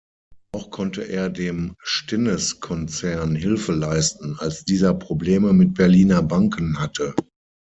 Auch konnte er dem Stinnes-Konzern Hilfe leisten, als dieser Probleme mit Berliner Banken hatte.